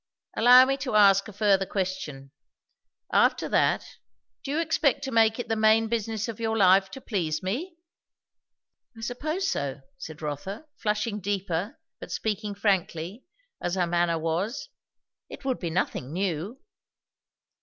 "Allow me to ask a further question. After that, do you expect to make it the main business of your life to please me?" "I suppose so," said Rotha, flushing deeper but speaking frankly, as her manner was. "It would be nothing new."